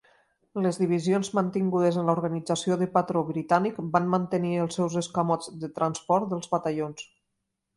Les divisions mantingudes en la organització de patró britànic van mantenir els seus escamots de transport dels batallons.